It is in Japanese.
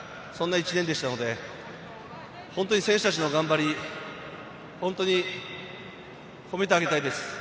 そんな１年でしたので、本当に選手たちの頑張り、本当に褒めてあげたいです。